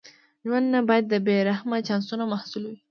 ژوند نه باید د بې رحمه چانسونو محصول وي.